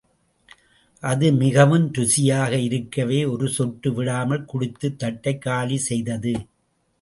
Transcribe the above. அது மிகவும் ருசியாக இருக்கவே ஒரு சொட்டு விடாமல் குடித்துத் தட்டைக் காலி செய்தது.